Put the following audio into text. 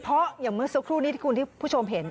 เพราะอย่างเมื่อสักครู่นี้ที่คุณผู้ชมเห็น